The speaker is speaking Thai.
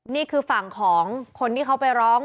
นี่คือฝั่งของคนที่เขาไปร้อง